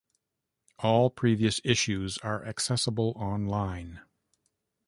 All previous issues are accessible online.